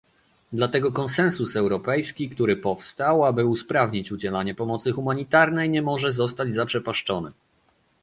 Dlatego konsensus europejski, który powstał, aby usprawnić udzielanie pomocy humanitarnej nie może zostać zaprzepaszczony